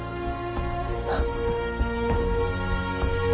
なっ？